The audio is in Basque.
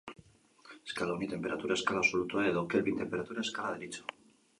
Eskala honi tenperatura eskala absolutua edo Kelvin tenperatura eskala deritzo.